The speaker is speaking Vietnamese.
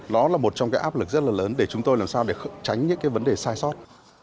đó là một trong cái áp lực rất là lớn để chúng tôi làm sao để tránh những cái vấn đề sai sót